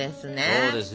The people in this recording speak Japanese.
そうですよ。